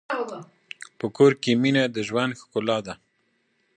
په کور کې مینه د ژوند ښکلا ده.